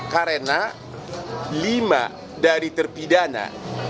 karena lima dari terpidana